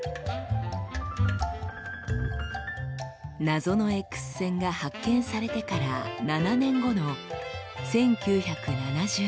謎のＸ線が発見されてから７年後の１９７０年。